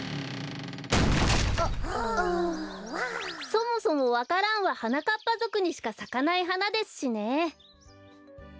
そもそもわか蘭ははなかっぱぞくにしかさかないはなですしね。